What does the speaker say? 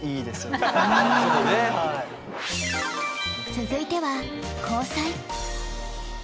続いては交際。